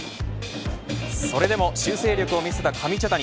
それでも修正力を見せた上茶谷